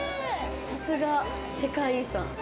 さすが世界遺産。